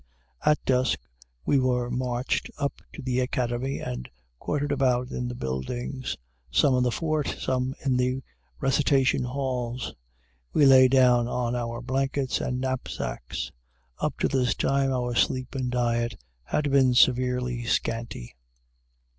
At dusk we were marched up to the Academy and quartered about in the buildings, some in the fort, some in the recitation halls. We lay down on our blankets and knapsacks. Up to this time our sleep and diet had been severely scanty.